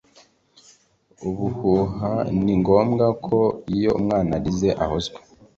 ubuhuha ni ngombwa ko iyo umwana arize ahozwa.